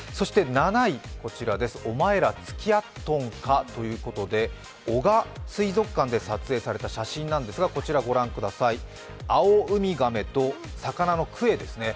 ７位、お前ら付き合っとんかということで、男鹿水族館で撮影された写真ですが、アオウミガメと魚のクエですね。